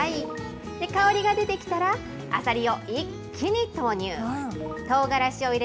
香りが出てきたら、アサリを一気に投入。